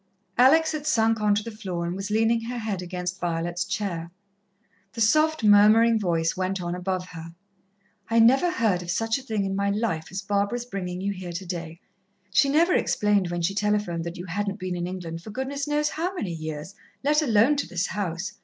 Alex had sunk on to the floor, and was leaning her head against Violet's chair. The soft, murmuring voice went on above her: "I never heard of such a thing in my life as Barbara's bringing you here today she never explained when she telephoned that you hadn't been in England for goodness knows how many years, let alone to this house.